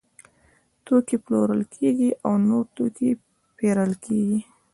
توکي پلورل کیږي او نور توکي پیرل کیږي.